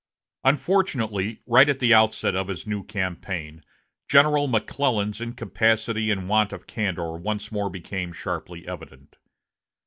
Unfortunately, right at the outset of this new campaign, General McClellan's incapacity and want of candor once more became sharply evident.